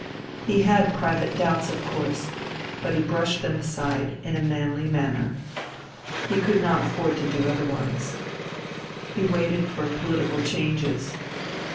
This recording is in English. He had private doubts, of course ; but he brushed them aside in a manly manner : he could not afford to do otherwise. He waited for political changes.